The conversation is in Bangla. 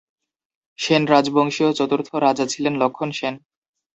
সেন রাজবংশীয় চতুর্থ রাজা ছিলেন লক্ষন সেন।